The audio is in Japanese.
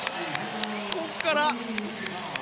ここから。